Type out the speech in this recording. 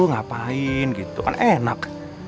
ngapain gitu kan enak